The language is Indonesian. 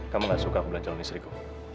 kamu gak suka aku bilang calon istriku